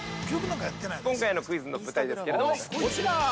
◆今回のクイズの舞台ですけども、こちら。